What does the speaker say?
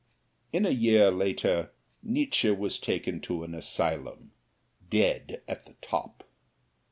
In a year later, Nietzsche was taken to an asylum, dead at the top.